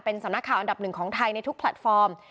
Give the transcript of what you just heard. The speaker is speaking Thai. สำนักข่าวอันดับหนึ่งของไทยในทุกแพลตฟอร์ม